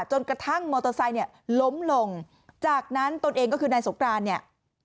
จนกระทั่งมอเตอร์ไซค์เนี่ยล้มลงจากนั้นตนเองก็คือนายสงกรานเนี่ย